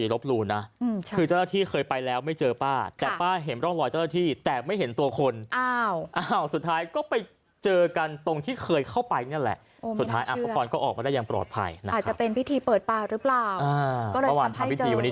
ว่าพื้นที่เยฟพรอพร้าวเนี่ยเดี๋ยวเฮียวว่าป่าในสิ่งศักดิ์สิทธิ์มีจริงนะ